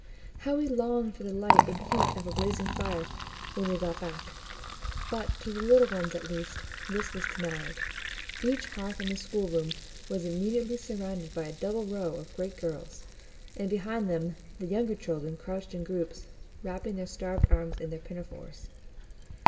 How we longed for the light and heat of a blazing fire when we got back! But, to the little ones at least, this was denied: each hearth in the schoolroom was immediately surrounded by a double row of great girls, and behind them the younger children crouched in groups, wrapping their starved arms in their pinafores.